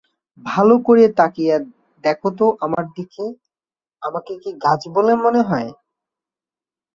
ভালো করে তাকিয়ে দেখ তো আমার দিকে, আমাকে কি গাছ বলে মনে হয়?